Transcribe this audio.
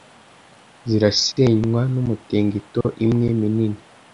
Zirasenywa nuImitingito imwe minini